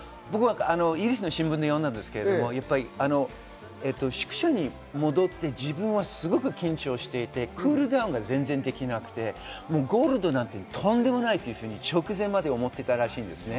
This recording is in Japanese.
イギリスの新聞で読んだんですが、宿舎に戻って自分はすごく緊張していてクールダウンが全然できなくて、ゴールドなんてとんでもないというふうに直前まで思っていたらしいです。